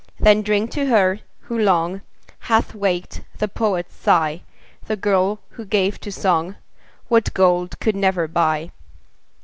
Then drink to her, who long Hath waked the poet's sigh, The girl, who gave to song What gold could never buy.